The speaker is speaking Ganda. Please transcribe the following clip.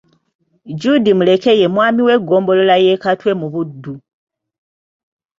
Jude Muleke ye Mwami w'eggombolola y'e Katwe mu Buddu.